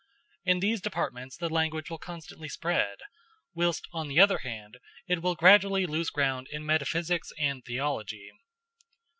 In these departments the language will constantly spread, whilst on the other hand it will gradually lose ground in metaphysics and theology.